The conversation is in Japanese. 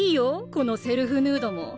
このセルフヌードも。